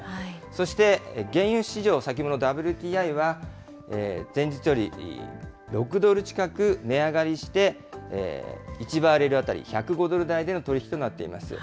そして、原油市場・先物ＷＴＩは、前日より６ドル近く値上がりして、１バレル当たり１０５ドル台での取り引きとなっています。